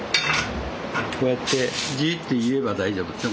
こうやってジーッて言えば大丈夫。